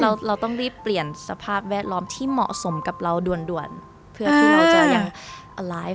เราเราต้องรีบเปลี่ยนสภาพแวดล้อมที่เหมาะสมกับเราด่วนด่วนเพื่อที่เราจะยังไลฟ์